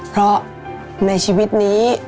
เพราะในชีวิตนี้